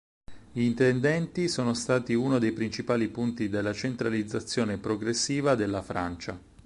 Gli intendenti sono stati uno dei principali punti della centralizzazione progressiva della Francia.